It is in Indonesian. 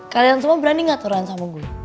kalian semua berani gak turun sama gue